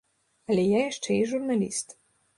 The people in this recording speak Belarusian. Але я яшчэ і журналіст.